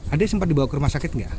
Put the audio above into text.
ada sempat dibawa ke rumah sakit gak